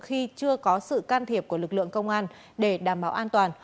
khi chưa có sự can thiệp của lực lượng công an để đảm bảo an toàn